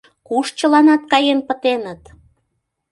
Куш чыланат каен пытеныт?